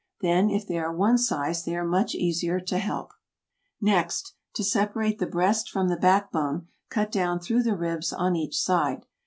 Then if they are one size they are much easier to help. Next, to separate the breast from the back bone, cut down through the ribs on each side.